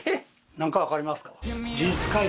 何か分かりますか？